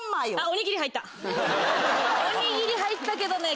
おにぎり入ったけどね